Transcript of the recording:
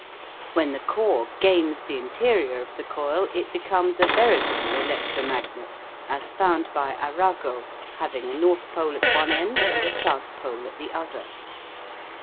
When the core gains the interior of the coil it becomes a veritable electromagnet, as found by Arago, having a north pole at one end and a south pole at the other.